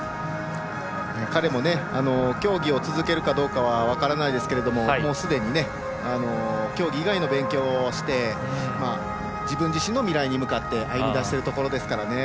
彼も競技を続けるかどうかは分からないですけど、すでに競技以外の勉強をして自分自身の未来に向かって歩み出しているところですからね。